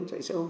chạy xe ôm